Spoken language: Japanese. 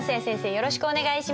よろしくお願いします。